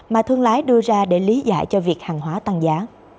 mà thương lái đưa ra để lý giải cho việc hàng hóa tăng giá